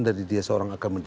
dari dia seorang akademik